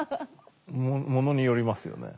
ものによりますよね。